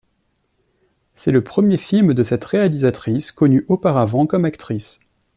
C'est le premier film de cette réalisatrice connue auparavant comme actrice.